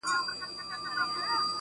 دې جوارۍ کي يې دوه زړونه په يوه ايښي دي,